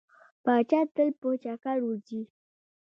پاچا تل په چکر وځي.